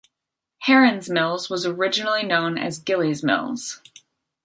Herron's Mills, was originally known as "Gillies Mills".